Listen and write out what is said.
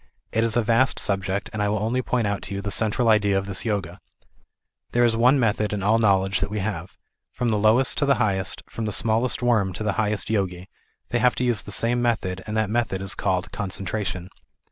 It is a vast subject, and I will only point out to you .the central idea of this Yoga. There is one method in all knowledge that we have. From the lowest to the highest, from the smallest worm to the highest Yogi, they have to use the same method, and that method is called concentration.